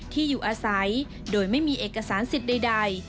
ที่อยู่อาศัยโดยไม่มีเอกสารสิทธิ์ใด